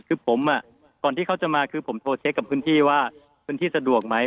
คือผมก่อนที่เขาจะมาคือผมโทรเช็คกับพื้นที่ว่าพื้นที่สะดวกไหม